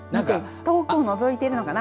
遠くをのぞいているのかな。